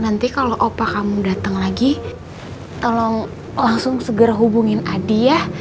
nanti kalau opa kamu datang lagi tolong langsung segera hubungin adi ya